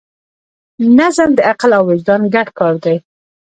نظم د عقل او وجدان ګډ کار دی.